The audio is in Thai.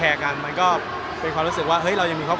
หมายถึงว่าความดังของผมแล้วทำให้เพื่อนมีผลกระทบอย่างนี้หรอค่ะ